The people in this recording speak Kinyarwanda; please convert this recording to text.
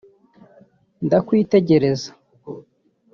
Ndakwitegereza